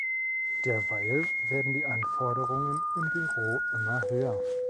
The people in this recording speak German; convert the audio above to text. Derweil werden die Anforderungen im Büro immer höher.